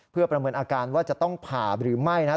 เพื่อประเมินอาการว่าจะต้องผ่าหรือไม่นะครับ